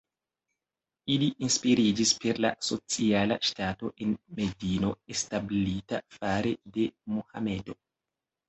Ili inspiriĝis per la sociala ŝtato en Medino establita fare de Mohamedo.